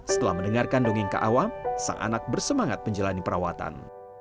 setelah mendengarkan dongeng kaawam sang anak bersemangat menjalani perawatan